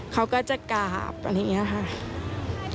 เขาก็จะกราบอะไรอย่างนี้ค่ะ